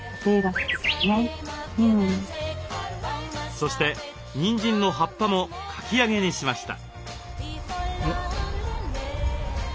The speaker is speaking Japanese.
そしてニンジンの葉っぱもかき揚げにしました。